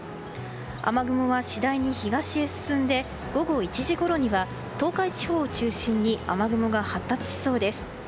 雨雲は次第に東へ進んで午後１時ごろには東海地方を中心に雨雲が発達しそうです。